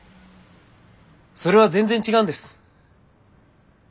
それは全然違うんです。